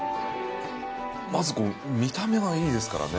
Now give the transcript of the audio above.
まず見た目がいいですからね。